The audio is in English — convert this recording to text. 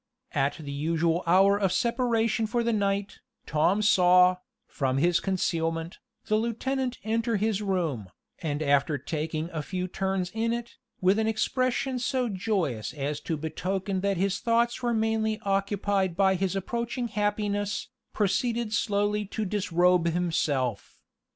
At the usual hour of separation for the night, Tom saw, from his concealment, the lieutenant enter his room, and after taking a few turns in it, with an expression so joyous as to betoken that his thoughts were mainly occupied by his approaching happiness, proceed slowly to disrobe himself.